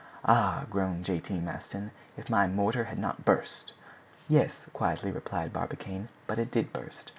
"Ah!" groaned J. T. Maston, "if my mortar had not burst—" "Yes," quietly replied Barbicane, "but it did burst.